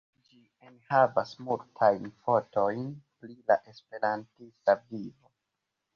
Ĝi enhavis multajn fotojn pri la Esperantista vivo.